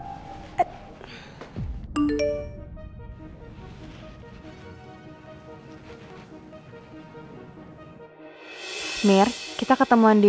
amir kasihan parkurnya